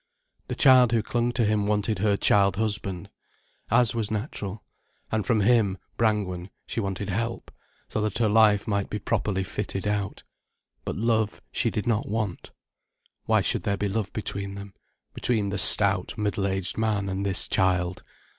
The child who clung to him wanted her child husband. As was natural. And from him, Brangwen, she wanted help, so that her life might be properly fitted out. But love she did not want. Why should there be love between them, between the stout, middle aged man and this child?